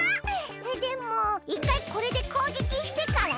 でもいっかいこれでこうげきしてからね。